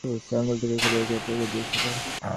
সেদিন এই আংটি অমিত নিজের আঙুল থেকে খুলে ওকে পরিয়ে দিয়েছিল।